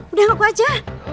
udah gak aku aja